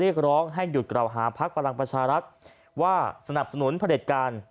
เรียกร้องให้หยุดกล่าวหาพักพลังประชารัฐว่าสนับสนุนผลิตการ